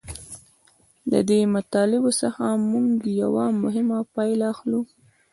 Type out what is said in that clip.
له دې مطالبو څخه موږ یوه مهمه پایله اخلو